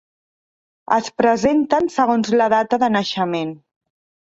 Es presenten segons la data de naixement.